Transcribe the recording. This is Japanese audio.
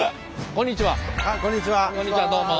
こんにちはどうも。